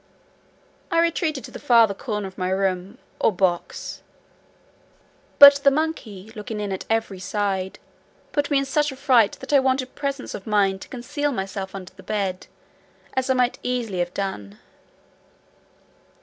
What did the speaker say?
I retreated to the farther corner of my room; or box; but the monkey looking in at every side, put me in such a fright, that I wanted presence of mind to conceal myself under the bed, as I might easily have done.